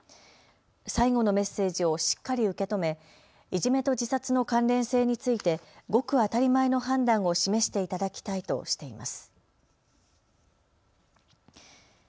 最期のメッセージをしっかり受け止めいじめと自殺の関連性についてごく当たり前の判断を示していただきたいとしています。